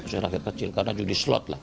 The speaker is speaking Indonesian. masyarakat kecil karena judi slot lah